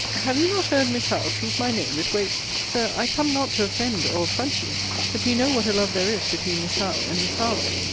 Have you not heard Miss Howe treat my name with great Sir, I come not to offend or affront you: but you know what a love there is between Miss Howe and Miss Harlowe.